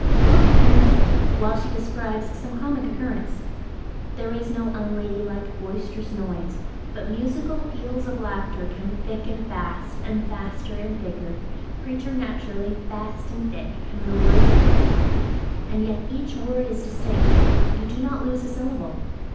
Look and listen, while she describes some comic occurrence. There is no unladylike, boisterous noise, but musical peals of laughter come thick and fast; and faster and thicker, preternaturally fast and thick, come the words with them. And yet each word is distinct; you do not lose a syllable.